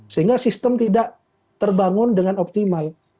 sehingga sistem tidak terbangun dengan optimal